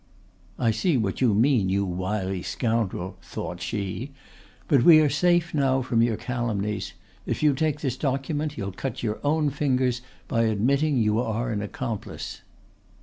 ("I see what you mean, you wily scoundrel," thought she, "but we are safe now from your calumnies. If you take this document you'll cut your own fingers by admitting you are an accomplice.")